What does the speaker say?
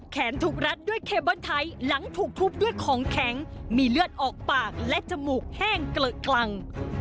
ถูกรัดด้วยเคเบิ้ลไทยหลังถูกทุบด้วยของแข็งมีเลือดออกปากและจมูกแห้งเกลอะกลั่ง